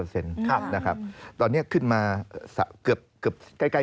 ตอนนี้ขึ้นมาเกือบใกล้๔๐แล้ว